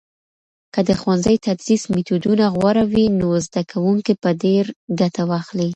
که د ښوونځي تدریس میتودونه غوره وي، نو زده کوونکي به ډیر ګټه واخلي.